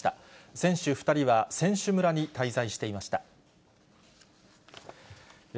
選手２人は選手村に滞在していました。